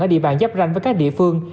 ở địa bàn giáp ranh với các địa phương